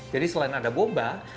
jadi selain ada bubah